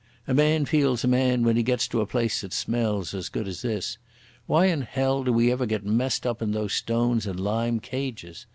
A man feels a man when he gets to a place that smells as good as this. Why in hell do we ever get messed up in those stone and lime cages?